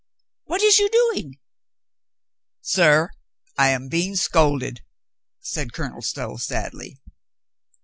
What is you doing?" "Sir, I am being scolded," said Colonel Stow sadly.